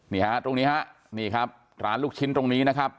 นี่ฮะตรงนี้ฮะนี่ครับร้านลูกชิ้นตรงนี้นะครับ